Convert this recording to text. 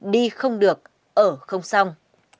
đi không được ở không xong